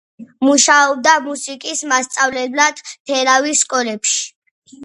მუშაობდა მუსიკის მასწავლებლად თელავის სკოლებში.